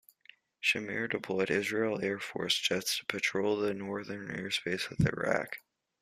Shamir deployed Israeli Air Force jets to patrol the northern airspace with Iraq.